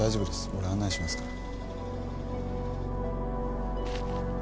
俺案内しますから。